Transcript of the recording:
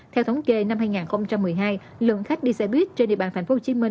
theo thống kê năm hai nghìn một mươi hai lượng khách đi xe buýt trên địa bàn tp hcm